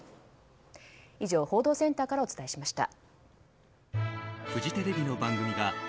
以上、報道センターからお伝えしました。